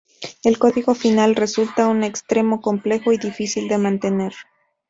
El código final resulta en extremo complejo y difícil de mantener.